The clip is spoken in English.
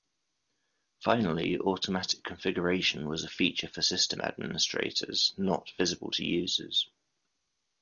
Finally, automatic configuration was a feature for system administrators, not visible to users.